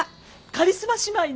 カリスマ姉妹の。